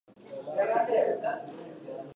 پښتانه لهجه لري.